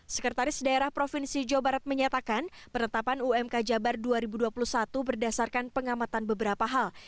sekretaris daerah provinsi jawa barat menyatakan penetapan umk jabar dua ribu dua puluh satu berdasarkan pengamatan beberapa hal